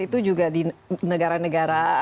itu juga di negara negara